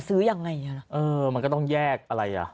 ซื้อยังไงอ่ะเออมันก็ต้องแยกอะไรอ่ะ